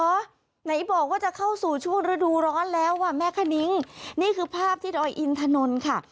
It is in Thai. ไหนบอกว่าจะเข้าสู่ช่วงฤดูร้อนแล้วอ่ะแม่คณิ้งนี่คือภาพที่ดอยอินถนนค่ะ